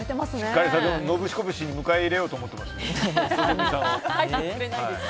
平成ノブシコブシに迎え入れようと思っています。